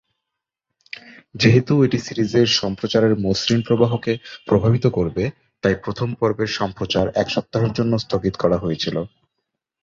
যেহেতু এটি সিরিজের সম্প্রচারের মসৃণ প্রবাহকে প্রভাবিত করবে, তাই প্রথম পর্বের সম্প্রচার এক সপ্তাহের জন্য স্থগিত করা হয়েছিল।